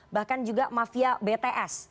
bahkan juga mafia bts